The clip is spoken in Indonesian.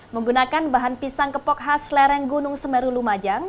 menggunakan bahan pisang kepok khas lereng gunung semeru lumajang